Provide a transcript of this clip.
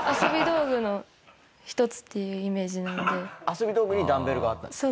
遊び道具にダンベルがあったんですか？